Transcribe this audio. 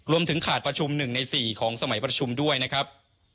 รวมถึงขาดประชุม๑ใน๔ของสมัยประชุมด้วยนะครับ